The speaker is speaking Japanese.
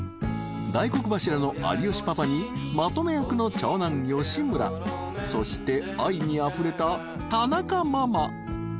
［大黒柱の有吉パパにまとめ役の長男吉村そして愛にあふれた田中ママ］